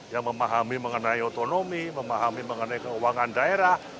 yang memahami mengenai otonomi memahami mengenai keuangan daerah